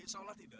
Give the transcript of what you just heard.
insya allah tidak